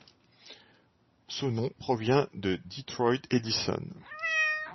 Son nom provient de Detroit Edison.